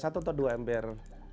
satu atau dua ember